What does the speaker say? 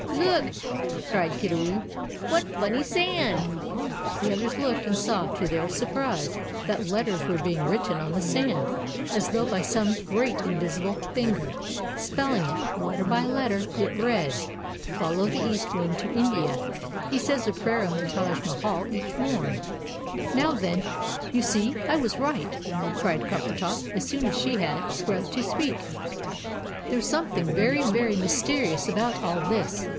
"Look!" cried Kiddiwee. "What funny sand!" The others looked, and saw, to their surprise, that letters were being written on the sand, as though by some great invisible finger. Spelling it letter by letter, it read FOLLOW THE EAST WIND TO INDIA: HE SAYS A PRAYER AT THE TAJ MAHAL EACH MORN. [Illustration: The East Wind.] "Now, then, you see! I was right!" cried Coppertop, as soon as she had breath to speak. "There's something very, very mysterious about all this.